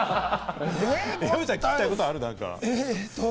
山ちゃん、聞きたいことある？